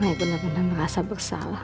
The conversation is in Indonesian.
ayah bener bener merasa bersalah